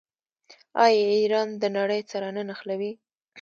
آیا ایران د نړۍ سره نه نښلوي؟